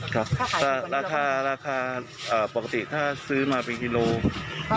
ครับราคาราคาปกติถ้าซื้อมาเป็นกิโลกรัม